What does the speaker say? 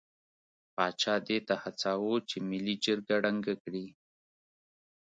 پاچا دې ته هڅاوه چې ملي جرګه ړنګه کړي.